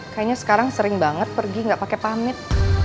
kayaknya sekarang sering banget pergi nggak pake pamit